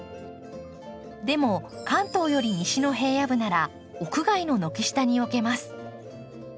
でも関東より西の平野部なら屋外の軒下に置けます。